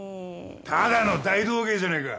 ただの大道芸じゃねえか！